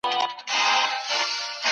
څنګه بازار پر نورو هیوادونو اغیز کوي؟